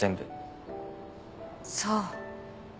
そう。